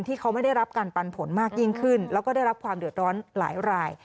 ที่เขาไม่ได้รับการปันผลมากยิ่งขึ้นแล้วก็ได้รับความเดือดร้อนหลายราย